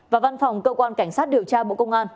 và văn phòng cơ quan cảnh sát điều tra bộ công an